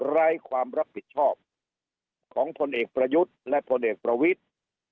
ไร้ความรับผิดชอบของพลเอกประยุทธ์และพลเอกประวิทธิ์